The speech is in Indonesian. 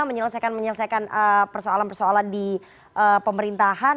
menyelesaikan menyelesaikan persoalan persoalan di pemerintahan